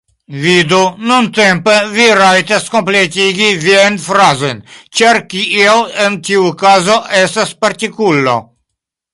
Vidu, nuntempe vi rajtas kompletigi viajn frazojn, ĉar kiel en tiu kazo estas partikulo.